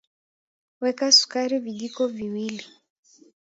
Weka sukari vijiko viwili